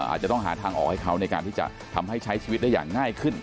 อาจจะต้องหาทางออกให้เขาในการที่จะทำให้ใช้ชีวิตได้อย่างง่ายขึ้น